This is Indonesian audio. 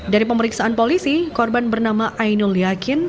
dari pemeriksaan polisi korban bernama ainul yakin